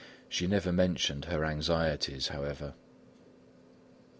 She never mentioned her anxieties, however.